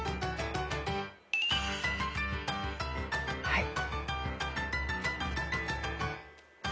はい。